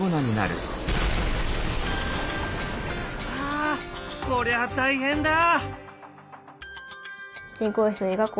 あこりゃあ大変だ！